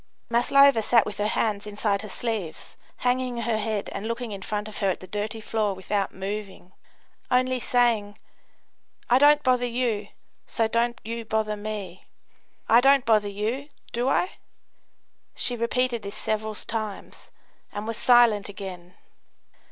Maslova sat with her hands inside her sleeves, hanging her head and looking in front of her at the dirty floor without moving, only saying: "I don't bother you, so don't you bother me. I don't bother you, do I?" she repeated this several times, and was silent again.